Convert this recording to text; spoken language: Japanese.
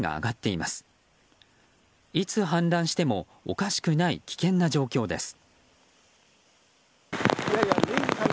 いつ氾濫してもおかしくない危険な状況です。